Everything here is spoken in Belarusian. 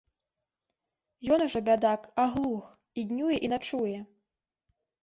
Ён ужо, бядак, аглух, і днюе і начуе.